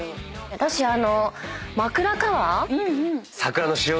私あの。